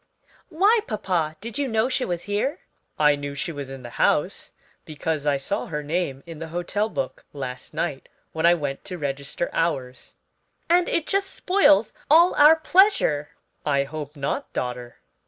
"Why, papa; did you know she was here?" "I knew she was in the house, because I saw her name in the hotel book last night when I went to register ours." "And it just spoils all our pleasure." "I hope not, daughter.